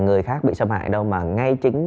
người khác bị xâm hại đâu mà ngay chính